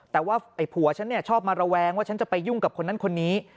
แต่ว่าไอ้ผัวฉันชอบมาระแวงว่าฉันจะไปยุ่งกับคนนั้นคนนี้